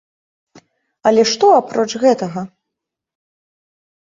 Але што апроч гэтага?